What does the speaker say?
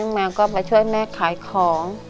แมวก็มาช่วยแม่ขายของ